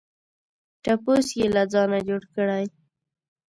ټپوس یې له ځانه جوړ کړی.